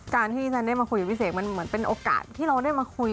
การที่ฉันได้มาคุยกับพี่เสกมันเหมือนเป็นโอกาสที่เราได้มาคุย